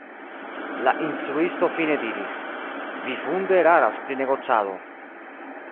La instruisto fine diris: “Vi funde eraras pri negocado.